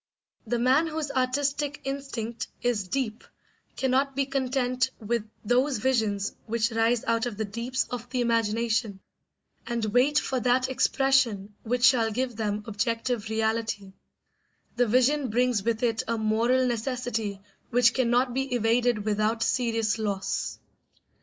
The man whose artistic instinct is deep cannot be content with those visions which rise out of the deeps of the imagination and wait for that expression which shall give them objective reality; the vision brings with it a moral necessity which cannot be evaded without serious loss.